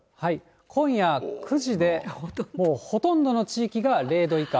今夜９時でもうほとんどの地域が０度以下。